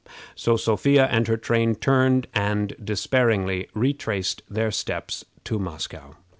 So Sophia and her train turned, and despairingly retraced their steps to Moscow.